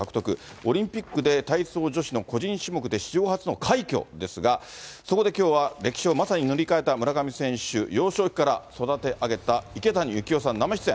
オリンピックで体操女子の個人種目で史上初の快挙ですが、そこできょうは、歴史をまさに塗り替えた村上選手、幼少期から育て上げた池谷幸雄さん生出演。